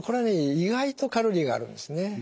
意外とカロリーがあるんですね。